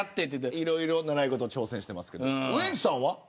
いろいろ習い事挑戦してますけどウエンツさんは。